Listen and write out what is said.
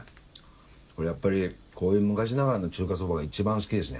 俺はやっぱりこういう昔ながらの中華そばがいちばん好きですね。